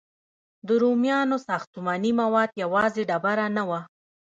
د رومیانو ساختماني مواد یوازې ډبره نه وه.